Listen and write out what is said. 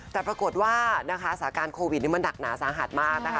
แต่ปรากฏว่านะคะสาการโควิดนี้มันหนักหนาสาหัสมากนะคะ